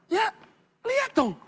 ya lihat dong